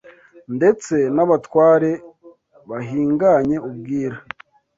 ndetse n’abatware bahinganye ubwira